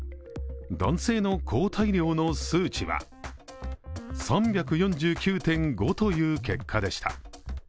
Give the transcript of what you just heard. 男性の抗体量の数値は３４９．５という結果でした。